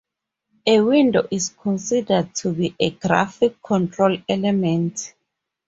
A window is considered to be a graphical control element.